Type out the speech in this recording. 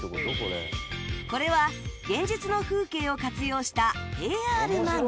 これは現実の風景を活用した ＡＲ 漫画